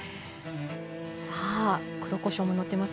さあ黒こしょうものってます。